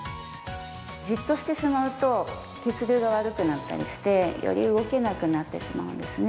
じっとしてしまうと血流が悪くなったりしてより動けなくなってしまうんですね。